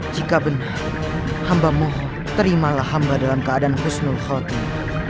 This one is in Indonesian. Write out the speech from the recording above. jika benar hambamu terimalah hamba dalam keadaan husnul khotib